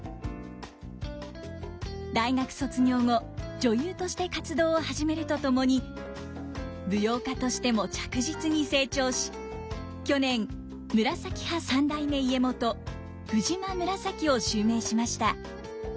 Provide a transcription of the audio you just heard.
大学卒業後女優として活動を始めるとともに舞踊家としても着実に成長し去年紫派三代目家元藤間紫を襲名しました。